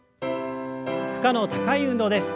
負荷の高い運動です。